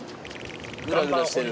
グラグラしてる。